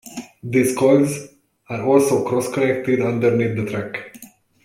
These coils are also cross-connected underneath the track.